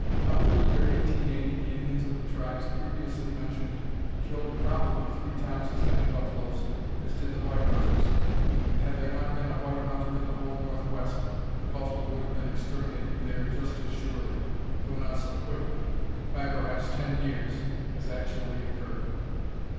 Up to the year 1880 the Indians of the tribes previously mentioned killed probably three times as many buffaloes as did the white hunters, and had there not been a white hunter in the whole Northwest the buffalo would have been exterminated there just as surely, though not so quickly by perhaps ten years, as actually occurred.